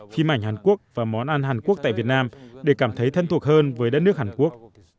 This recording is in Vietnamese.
phim ảnh hàn quốc và món ăn hàn quốc tại việt nam để cảm thấy thân thuộc hơn với đất nước hàn quốc